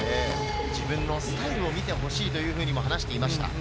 自分のスタイルを見て欲しいというふうにも話していました。